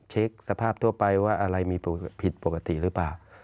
เช็คสภาพทั่วไปว่าอะไรมีผิดปกติหรือเปล่า